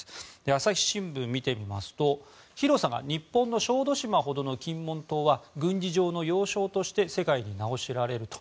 朝日新聞を見てみますと、広さが日本の小豆島ほどの金門島は軍事上の要衝として世界に名を知られると。